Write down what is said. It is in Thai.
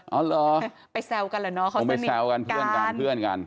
อ๋อเหรอไปแซวกันเหรอเนอะเขาสนิทกันผมไปแซวกันเพื่อนกันเพื่อนกัน